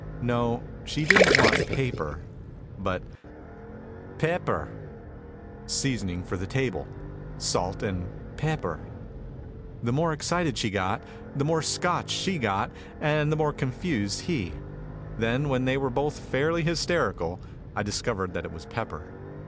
No, she didn't want paper but "paeper" seasoning for the table salt and "paeper." The more excited she got, the more Scotch she got and the more confused he. Then, when they were both fairly hysterical, I discovered that it was pepper.